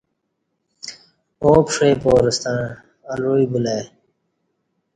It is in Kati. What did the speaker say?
آو پݜئ پارہ ستع الوعی بُلہ ای